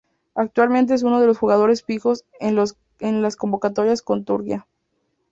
Actualmente es uno de los jugadores fijos en las convocatorias con Turquía.